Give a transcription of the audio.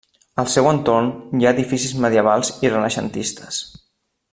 Al seu entorn, hi ha edificis medievals i renaixentistes.